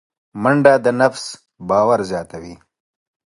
منډه د نفس باور زیاتوي